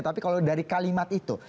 tapi kalau dari kalimat itu